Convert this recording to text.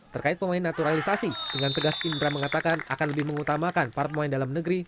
terkait pemain naturalisasi dengan tegas indra mengatakan akan lebih mengutamakan para pemain dalam negeri